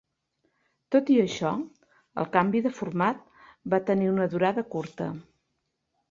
Tot i això, el canvi de format va tenir una durada curta.